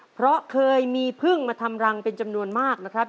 เพราะเคยมีพึ่งมาทำรังเป็นจำนวนมากนะครับ